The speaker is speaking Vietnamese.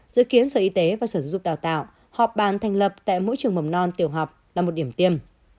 dự kiến sở y tế và sở dục đào tạo họp bàn thành lập tại mỗi trường mầm non tiểu học là một điểm tiêm